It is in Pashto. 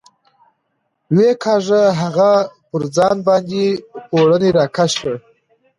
ویې کېکاږه، هغې پر ځان باندې پوړنی را کش کړ.